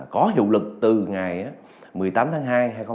có hiệu lực từ ngày một mươi tám tháng hai hai nghìn hai mươi